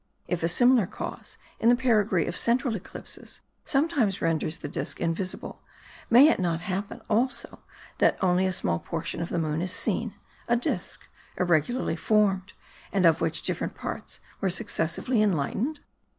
If a similar cause, in the perigee of central eclipses, sometimes renders the disc invisible, may it not happen also that only a small portion of the moon is seen; a disc, irregularly formed, and of which different parts were successively enlightened?